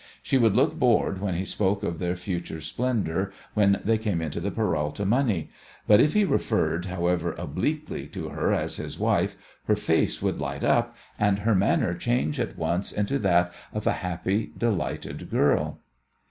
She would look bored when he spoke of their future splendour when they came into the Peralta money, but if he referred, however obliquely, to her as his wife her face would light up and her manner change at once into that of a happy, delighted girl.